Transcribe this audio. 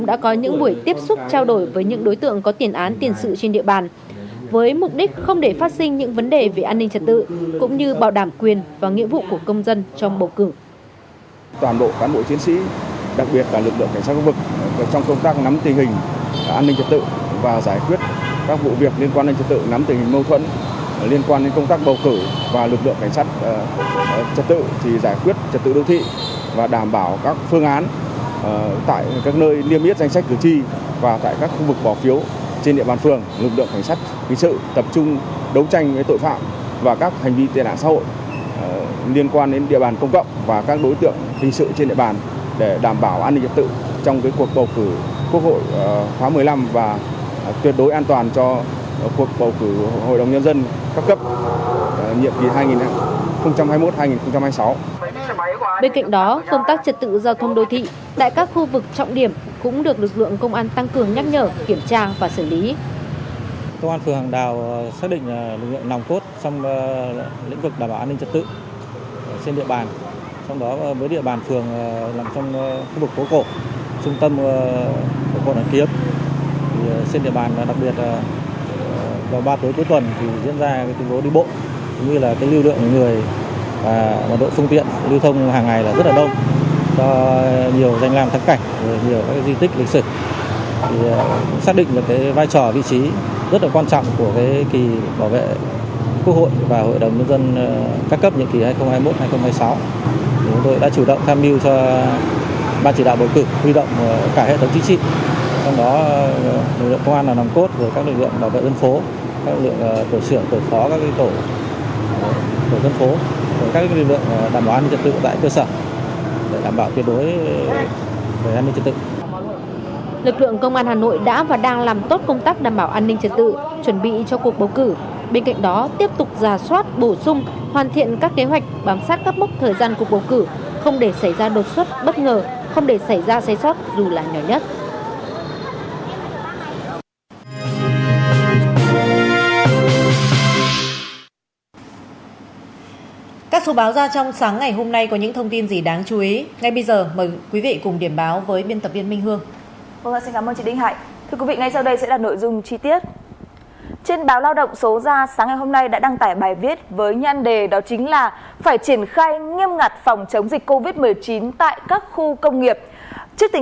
toàn bộ phán bội chiến sĩ đặc biệt là lực lượng cảnh sát khu vực trong công tác nắm tình hình an ninh trật tự và giải quyết các vụ việc liên quan đến trật tự nắm tình hình mâu thuẫn liên quan đến công tác bầu cử và lực lượng cảnh sát trật tự thì giải quyết trật tự đô thị và đảm bảo các phương án tại các nơi liêm yết danh sách cử tri và tại các khu vực bỏ phiếu trên địa bàn phường lực lượng cảnh sát quý sự tập trung đấu tranh với tội phạm và các hành vi